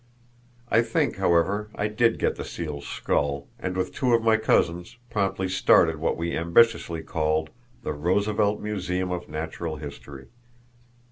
I think, however, I did get the seal's skull, and with two of my cousins promptly started what we ambitiously called the "Roosevelt Museum of Natural History."